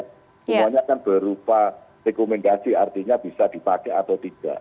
semuanya kan berupa rekomendasi artinya bisa dipakai atau tidak